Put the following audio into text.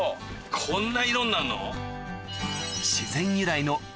こんな色になんの？